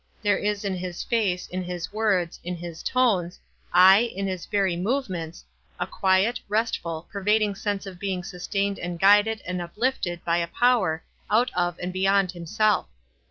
There is in his face, in his words, in his tones, aye, in his very movements, a quiet, restful, pervading sense of being sustained and guided and uplifted by a Power out of and beyond himself.